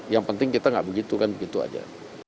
yang penting kita nggak begitu kan begitu aja